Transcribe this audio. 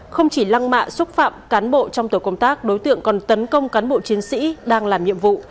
không chỉ lăng mạ xúc phạm cán bộ trong tổ công tác đối tượng còn tấn công cán bộ chiến sĩ đang làm nhiệm vụ